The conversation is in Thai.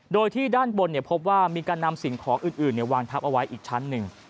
โดยที่ด้านบนพบว่ามีการนำสิ่งของอื่นวางทับเอาไว้อีกชั้นหนึ่ง